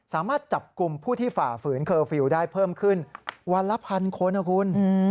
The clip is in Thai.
สามารถจับกลุ่มผู้ที่ฝ่าฝืนเคอร์ฟิลล์ได้เพิ่มขึ้นวันละพันคนนะคุณ